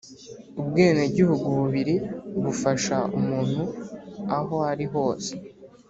ubwenegihugu bubiri bufasha umuntu aho ari hose